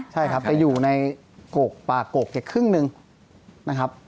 ใช่ครับจะอยู่ในปากโกกแกครึ่งหนึ่งนะครับ